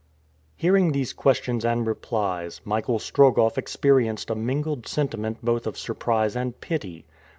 Hearing these questions and replies, Michael Strogoff experienced a mingled sentiment both of surprise and pity.